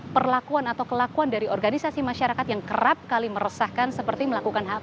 perlakuan atau kelakuan dari organisasi masyarakat yang kerap kali meresahkan seperti melakukan hp